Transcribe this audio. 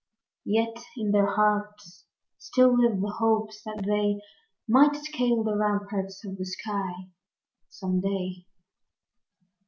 Yet in their hearts still lived the hope that they Might scale the ramparts of the sky some day.